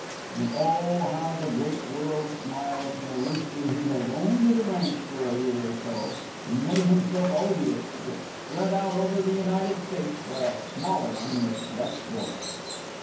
And, oh! how the great world smiles when a rooster, who has owned the ranch for a year or so, and made himself odious, gets spread out over the United States by a smaller one with less voice.